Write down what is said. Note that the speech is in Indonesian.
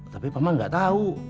tapi paman gak tau